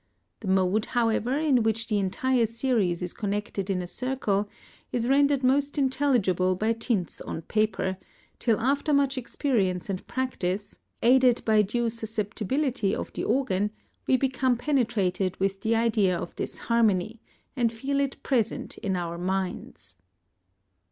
The mode, however, in which the entire series is connected in a circle, is rendered most intelligible by tints on paper, till after much experience and practice, aided by due susceptibility of the organ, we become penetrated with the idea of this harmony, and feel it present in our minds.